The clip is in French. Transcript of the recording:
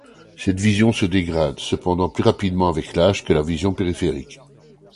Cette vision se dégrade cependant plus rapidement avec l'âge que la vision périphérique.